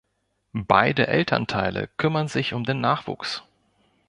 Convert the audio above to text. Beide Elternteile kümmern sich um den Nachwuchs.